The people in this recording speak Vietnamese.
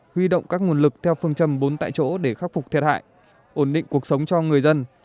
huy động các nguồn lực theo phương châm bốn tại chỗ để khắc phục thiệt hại ổn định cuộc sống cho người dân